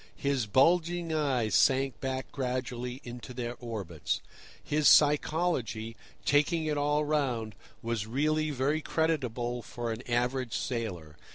His bulging eyes sank back gradually into their orbits. His psychology, taking it all round, was really very creditable for an average sailor.